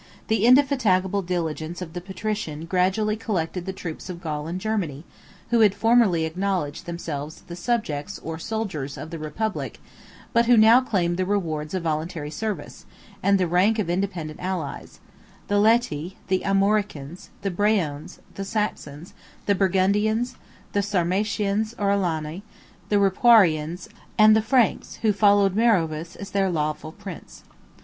The indefatigable diligence of the patrician gradually collected the troops of Gaul and Germany, who had formerly acknowledged themselves the subjects, or soldiers, of the republic, but who now claimed the rewards of voluntary service, and the rank of independent allies; the Læti, the Armoricans, the Breones, the Saxons, the Burgundians, the Sarmatians, or Alani, the Ripuarians, and the Franks who followed Meroveus as their lawful prince.